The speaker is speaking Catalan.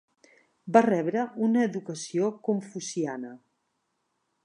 Va rebre una educació confuciana.